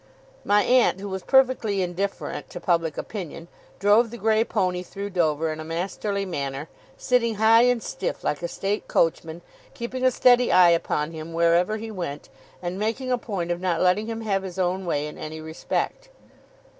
My aunt, who was perfectly indifferent to public opinion, drove the grey pony through Dover in a masterly manner; sitting high and stiff like a state coachman, keeping a steady eye upon him wherever he went, and making a point of not letting him have his own way in any respect.